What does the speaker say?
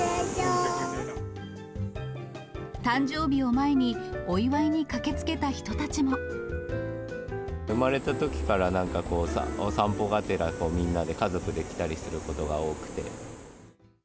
誕生日を前に、お祝いに駆け生まれたときからなんかこう、お散歩がてら、みんなで家族で来たりすることが多くて。